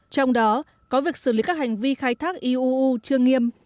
trong đó có việc xử lý các hành vi khai thác iuu chưa nghiêm